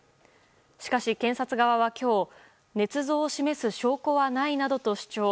しかし、検察側は今日ねつ造を示す証拠はないなどと主張。